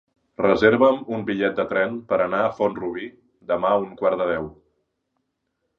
Reserva'm un bitllet de tren per anar a Font-rubí demà a un quart de deu.